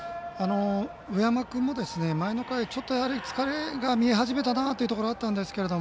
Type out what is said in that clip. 上山君も前の回ちょっと、疲れが見え始めたかなと思ったんですが。